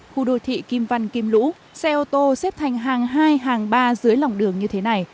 khu đô thị kim văn kim lũ xe ô tô xếp thành hàng hai hàng ba dưới lòng đường như thế này